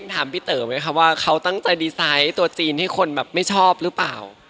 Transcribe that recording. ถามพี่เต๋อว่าเขาตั้งใจการว่านั้นตัวจีนให้ไม่ชอบหรือเปล่า